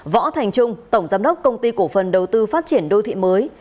võ thành trung tổng giám đốc công ty cổ phần đầu tư phát triển đô thị mới